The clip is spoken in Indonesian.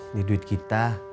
ini duit kita